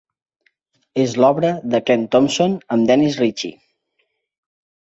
És l'obra de Ken Thompson amb Dennis Ritchie.